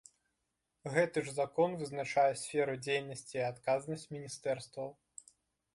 Гэты ж закон вызначае сферу дзейнасці і адказнасць міністэрстваў.